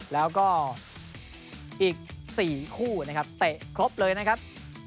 แล้วก็อีก๔คู่นะครับเตะครบเลยนะครับ